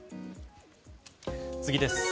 次です。